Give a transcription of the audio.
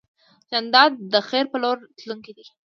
جانداد د خیر په لور تلونکی دی.